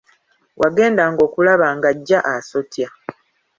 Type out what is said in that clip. Wagendanga okulaba ng'ajja asotya!